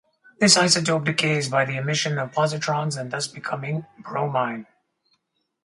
This isotope decays by the emission of positrons and thus becoming bromine.